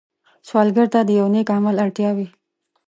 سوالګر ته د یو نېک عمل اړتیا وي